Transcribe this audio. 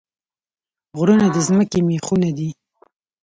غرونه د ځمکې میخونه دي